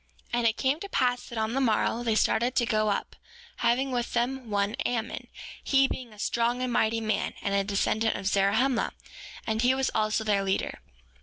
7:3 And it came to pass that on the morrow they started to go up, having with them one Ammon, he being a strong and mighty man, and a descendant of Zarahemla; and he was also their leader.